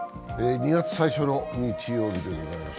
２月最初の日曜日でございます。